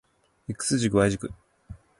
X 軸 Y 軸